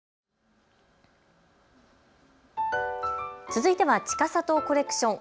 続いてはちかさとコレクション。